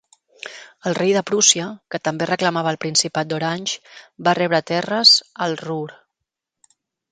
El Rei de Prússia, que també reclamava el Principat d'Orange, va rebre terres al Ruhr.